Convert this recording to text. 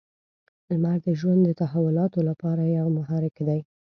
• لمر د ژوند د تحولاتو لپاره یو محرک دی.